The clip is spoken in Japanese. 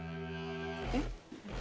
えっ。